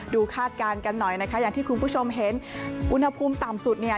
คาดการณ์กันหน่อยนะคะอย่างที่คุณผู้ชมเห็นอุณหภูมิต่ำสุดเนี่ย